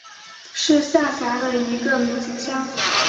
是下辖的一个民族乡。